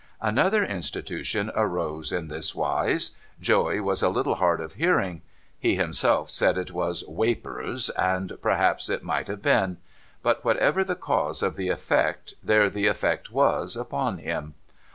Another Institution arose in this wise. Joey was a little hard of hearing. He himself said it was ' Wapours,' and perhaps it might have been ; but whatever the cause of the effect, there the effect was, upon him.